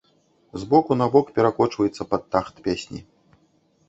З боку на бок перакочваецца пад тахт песні.